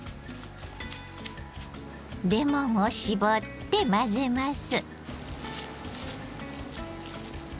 レモンを搾って混ぜます。